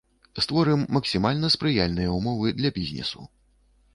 Створым максімальна спрыяльныя ўмовы для бізнесу.